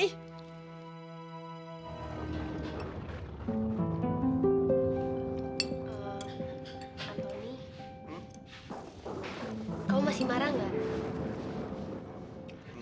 enggak aku gak pernah marah sama kamu